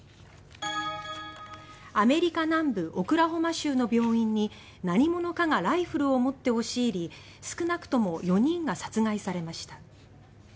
アメリカ南部オクラホマ州の病院に何者かがライフルを持って押し入り少なくとも４人が殺害されました。